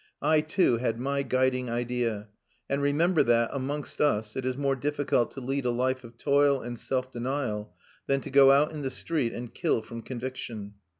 I, too, had my guiding idea; and remember that, amongst us, it is more difficult to lead a life of toil and self denial than to go out in the street and kill from conviction.